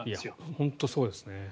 本当にそうですね。